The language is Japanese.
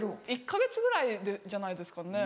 １か月ぐらいじゃないですかね。